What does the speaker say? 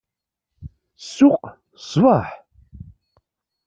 Ssuq, ṣṣbeḥ!